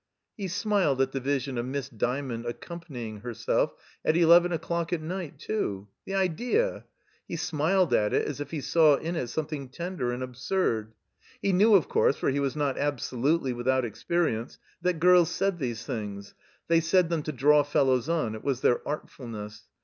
He smiled at the vision of Miss Dymond accom panying herself, at eleven o'clock at night, too — ^the IS THE COMBINED MAZE idea! He smiled at it as if ha saw in it something tender and absurd. He knew, of cottrse, for he was not absolutely without experience, that girls said these things; they said them to draw fellows on; it was their artfulness.